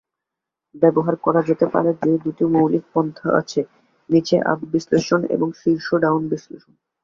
ব্যবহার করা যেতে পারে যে দুটি মৌলিক পন্থা আছে: নিচে আপ বিশ্লেষণ এবং শীর্ষ ডাউন বিশ্লেষণ।